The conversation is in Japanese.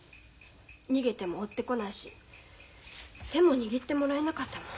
逃げても追ってこないし手も握ってもらえなかったもん。